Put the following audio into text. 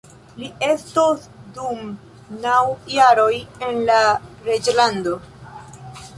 Li estos dum naŭ jaroj en la reĝlando.